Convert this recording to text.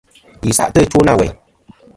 Yi sa'tɨ ɨtwo na weyn.